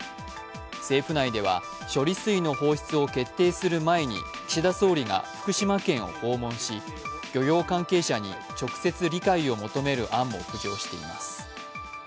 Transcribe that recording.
政府内では処理水の放出を決定する前に岸田総理が福島県を訪問し、漁業関係者に直接理解を求める案も浮上しています。